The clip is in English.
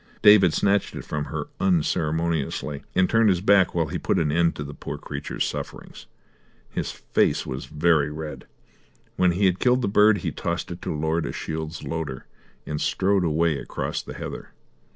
David snatched it from her unceremoniously, and turned his back while he put an end to the poor creature's sufferings. His face was very red. When he had killed the bird he tossed it to Lord Ashiel's loader, and strode away across the heather.